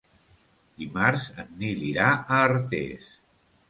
Dimarts en Nil irà a Artés.